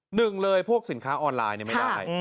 หนึ่งเลยพวกสินค้าออนไลน์ไม่ได้